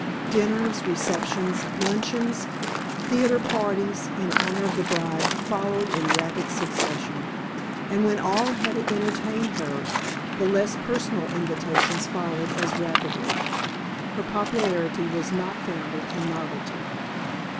Dinners, receptions, luncheons, theatre parties, in honor of the bride, followed in rapid succession, and when all had entertained her, the less personal invitations followed as rapidly. Her popularity was not founded on novelty.